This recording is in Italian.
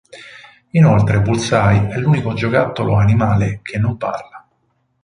Inoltre Bullseye è l'unico giocattolo animale che non parla.